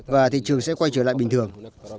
và thị trường sẽ quay trở lại bình thường